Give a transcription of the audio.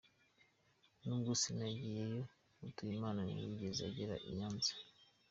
Nubwo Sina yagiyeyo, Mutuyimana ntiyigeze agera i Nyanza.